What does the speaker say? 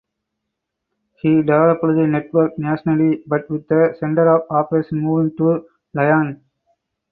He developed the network nationally but with the centre of operations moving to Lyon.